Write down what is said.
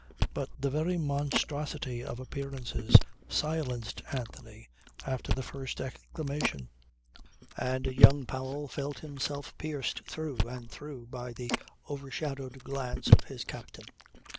But the very monstrosity of appearances silenced Anthony after the first exclamation; and young Powell felt himself pierced through and through by the overshadowed glance of his captain.